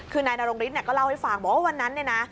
คือนายนรงฤทธิ์ก็เล่าให้ฟังบอกว่าวันนั้นเนี่ยนะ